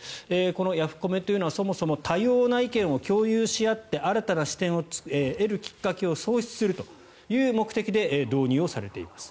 このヤフコメというのはそもそも多様な意見を共通し合って新たな視点を得るきっかけを創出するという目的で導入されています。